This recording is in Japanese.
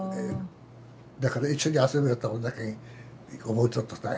だから一緒に遊びよったもんだけん覚えとっとたい。